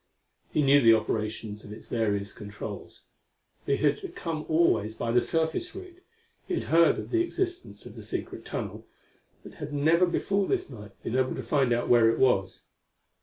He knew the operations of its various controls. But he had come always by the surface route; he had heard of the existence of the secret tunnel, but had never before this night been able to find out where it was.